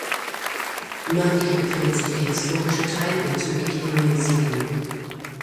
Nördlich befindet sich der historische Teil und südlich die neue Siedlung.